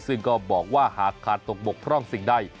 ซึ่งก็บอกว่าหากขาดตกบกพร่องสิ่งใด